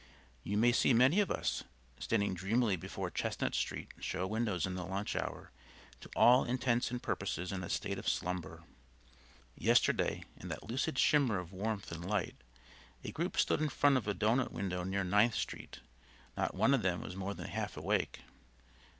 You may see many of us, standing dreamily before Chestnut Street show windows in the lunch hour, to all intents and purposes in a state of slumber. Yesterday, in that lucid shimmer of warmth and light, a group stood in front of a doughnut window near Ninth Street: not one of them was more than half awake.